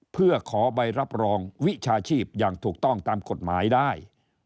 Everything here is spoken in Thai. เพื่อขอใบรับรองวิชาชีพอย่างถูกต้องตามกฎหมายได้